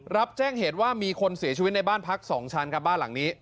รับแจ้งเหตุว่ามีคนเสียชีวิตในบ้านพัก๒ชั้นครับบ้านหลังนี้